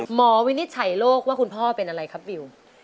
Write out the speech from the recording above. วินิจฉัยโรคว่าคุณพ่อเป็นอะไรครับบิว